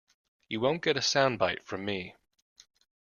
You won’t get a soundbite from me.